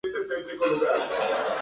Se encuentra en el Japón: Honshu.